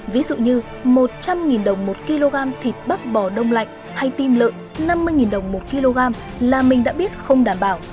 ví dụ như một trăm linh đồng một kg thịt bắp bò đông lạnh hay tim lợn năm mươi đồng một kg là mình đã biết không đảm bảo